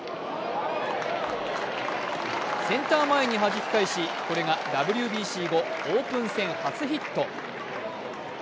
センター前にはじき返しこれがＷＢＣ後オープン戦初ヒット。